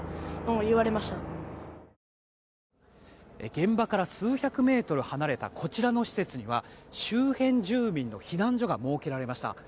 現場から数百メートル離れたこちらの施設には周辺住民の避難所が設けられました。